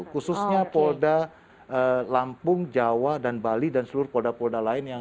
khususnya polda lampung jawa dan bali dan seluruh polda polda lain